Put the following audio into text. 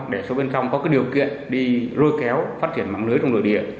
để số bên trong có điều kiện đi rôi kéo phát triển mạng lưới trong nội địa